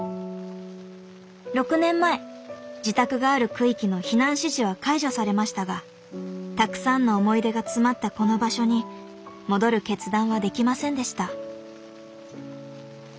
６年前自宅がある区域の避難指示は解除されましたがたくさんの思い出が詰まったこの場所に戻る決断はできませんでした。